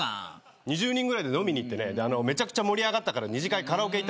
２０人ぐらいで飲みに行ってめちゃくちゃ盛り上がったから不安、不安。